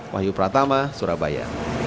wahyu pratama surabaya